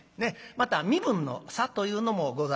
また身分の差というのもございます。